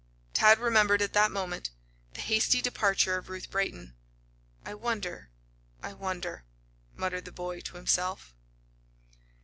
Tad remembered, at that moment, the hasty departure of Ruth Brayton. "I wonder I wonder," muttered the boy to himself.